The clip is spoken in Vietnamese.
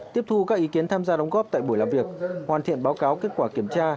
tiếp thu các ý kiến tham gia đóng góp tại buổi làm việc hoàn thiện báo cáo kết quả kiểm tra